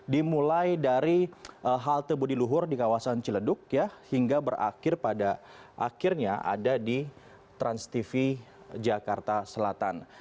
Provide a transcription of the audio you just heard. dimulai dari halte budi luhur di kawasan ciledug hingga berakhir pada akhirnya ada di transtv jakarta selatan